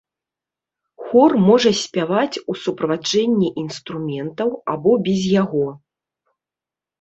Хор можа спяваць у суправаджэнні інструментаў або без яго.